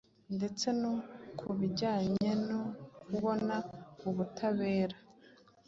ndetse no ku bijyanye no kubona ubutabera